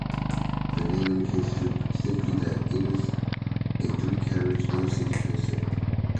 The name indicates simply that it is a three-carriage InterCity trainset.